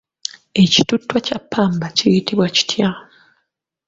Ekituttwa kya ppamba kiyitibwa kitya?